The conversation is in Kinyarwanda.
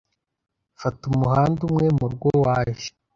Fata umuhanda umwe murugo waje.